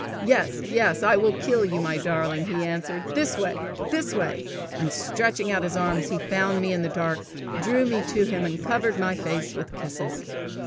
"Yes, yes, I will kill you, my darling!" he answered, " this way! this way!" and stretching out his arms he found me in the dark, drew me to him, and covered my face with kisses.